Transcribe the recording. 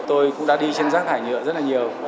tôi cũng đã đi trên rác thải nhựa rất là nhiều